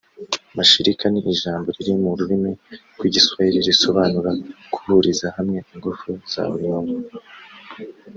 Mashirika ni ijambo riri mu rurimi rw’Igiswahili risobanura guhuriza hamwe ingufu za buri muntu